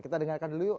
kita dengarkan dulu yuk